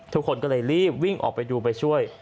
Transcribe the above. ทุกคนก็เลยรีบวิ่งออกไปดูไปช่วย